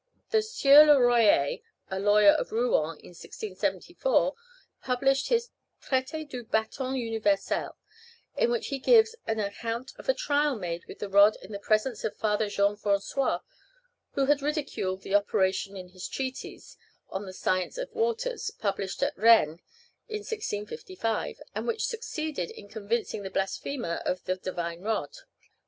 The Sieur le Royer, a lawyer of Rouen, in 1674, published his "Traité du Bâton universel," in which he gives an account of a trial made with the rod in the presence of Father Jean François, who had ridiculed the operation in his treatise on the science of waters, published at Rennes in 1655, and which succeeded in convincing the blasphemer of the divine Rod.